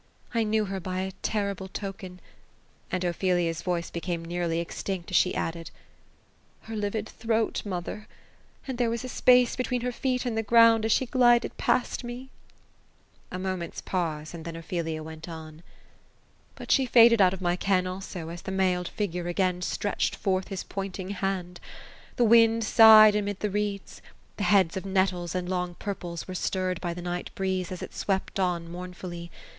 I knew her by a terrible token." And Ophelia's voice became nearly ex tinct, as she added :—^^ her livid throat, mother : and there was a space between her feet and the ground, as she glided past me." A moment's pause ; and then Ophelia went on. " But she faded out of my ken, also, as the mailed figure again stretched forth his pointing hand. The wind sighed amid the reeds. The heads of nettles and long purples were stirred by the night breeze, as it swept on mournfully.